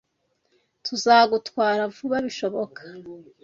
Tuzagutwara vuba bishoboka.